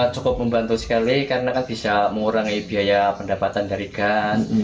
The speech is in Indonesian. cukup membantu sekali karena kan bisa mengurangi biaya pendapatan dari gas